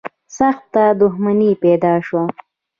سخته دښمني پیدا شوه